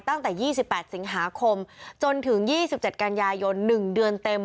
ตั้งแต่๒๘สิงหาคมจนถึง๒๗กันยายน๑เดือนเต็ม